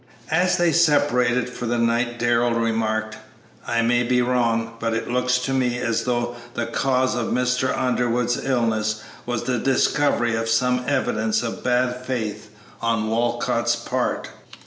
As they separated for the night Darrell remarked, "I may be wrong, but it looks to me as though the cause of Mr. Underwood's illness was the discovery of some evidence of bad faith on Walcott's part."